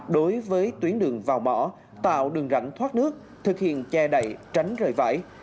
đối với tuyến đường vào mỏ tạo đường rảnh thoát nước thực hiện che đậy tránh rời vải